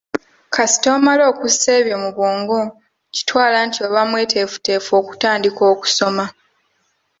Kasita omala okussa ebyo mu bwongo nkitwala nti oba mweteefuteefu okutandika okusoma.